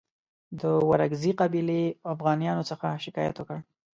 د ورکزي قبیلې اوغانیانو څخه شکایت وکړ.